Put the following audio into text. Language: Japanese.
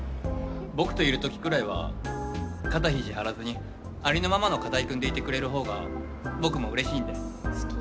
僕といる時くらいは肩肘張らずにありのままの片居くんでいてくれる方が僕もうれしいんで。